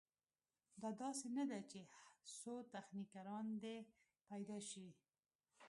دا داسې نه ده چې څو تخنیکران دې پیدا شي.